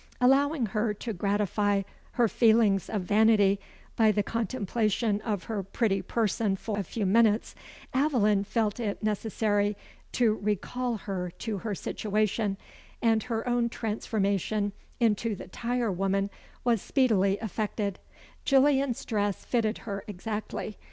Allowing her to gratify her feelings of vanity by the contemplation of her pretty person for a few minutes, Aveline felt it necessary to recal her to her situation, and her own transformation into the tire woman was speedily effected, Gillian's dress fitting her exactly.